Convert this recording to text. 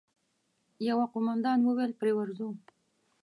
يوه قوماندان وويل: پرې ورځو!